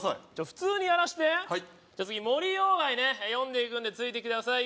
普通にやらして次森鴎外ね読んでいくんでついてきてください